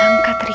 dia nangkat tadi